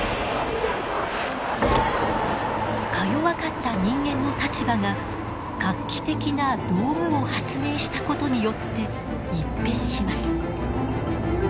かよわかった人間の立場が画期的な道具を発明したことによって一変します。